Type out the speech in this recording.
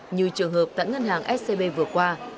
như trường hợp tại ngân hàng scb vừa qua